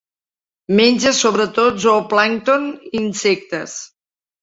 Menja sobretot zooplàncton i insectes.